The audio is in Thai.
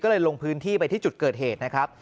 ก็เลยลงพื้นที่ไปที่จุดเกิดเหตุนะครับ